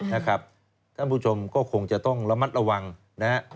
แล้วทุกคนท่านผู้ชมก็คงจะต้องระมัดระวังนะครับ